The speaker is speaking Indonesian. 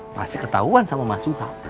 pasti ketahuan sama mas suha